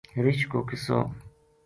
رچھ کو قصو